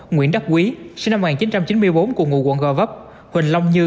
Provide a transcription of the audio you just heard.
nguyễn đắc quý sinh năm một nghìn chín trăm chín mươi bốn cùng ngụ quận gò vấp huỳnh long như